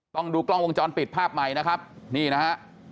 ต้องดูกล้องวงจรปิดภาพใหม่นะครับนี่นะฮะ